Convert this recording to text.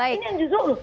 ini yang jujur